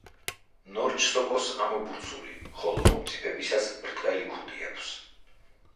ნორჩ სოკოს ამობურცული, ხოლო მომწიფებისას ბრტყელი ქუდი აქვს.